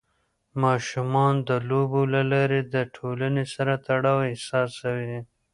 ماشومان د لوبو له لارې د ټولنې سره تړاو احساسوي.